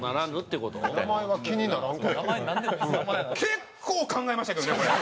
結構考えましたけどねこれ。